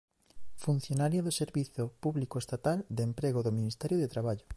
Funcionaria do Servizo Público Estatal de Emprego do Ministerio de Traballo.